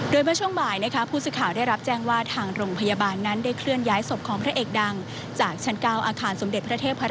โดยเมื่อช่วงบ่ายนะคะผู้สื่อข่าวได้รับแจ้งว่าทางโรงพยาบาลนั้นได้เคลื่อนย้ายศพของพระเอกดังจากชั้น๙อาคารสมเด็จพระเทพ